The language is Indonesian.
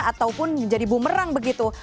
ataupun menjadi bumerang begitu